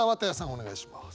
お願いします。